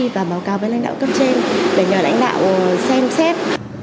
và báo cáo với lãnh đạo cấp trên để nhờ lãnh đạo xem xét